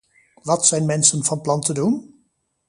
Wat zijn mensen van plan te doen?